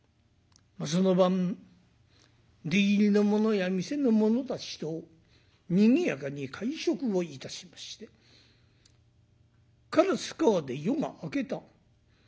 その晩出入りの者や店の者たちとにぎやかに会食をいたしましてカラスカアで夜が明けた。